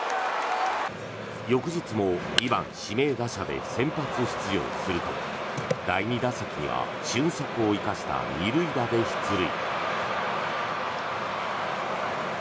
翌日も２番指名打者で先発出場すると第２打席には俊足を生かした２塁打で出塁。